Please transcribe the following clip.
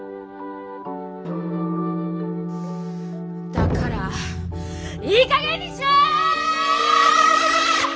だからいいかげんにしろ！